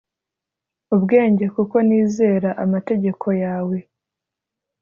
ubwenge Kuko nizera amategeko yawe